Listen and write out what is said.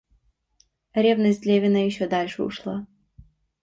Ревность Левина еще дальше ушла.